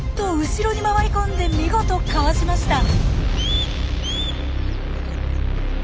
後ろに回り込んで見事かわしました。